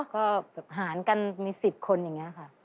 ก็หารกันมี๑๐คนอย่างนี้ค่ะ